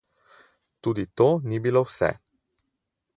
Tudi to ni bilo vse.